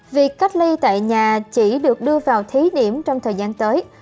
việc cách ly tại nhà chỉ được đưa vào thí điểm trong thời gian tới